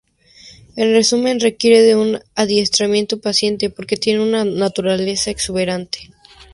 En resumen, requiere de un adiestramiento paciente, porque tiene una naturaleza exuberante.